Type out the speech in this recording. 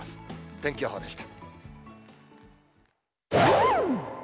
天気予報でした。